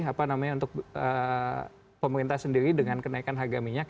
apa namanya untuk pemerintah sendiri dengan kenaikan harga minyak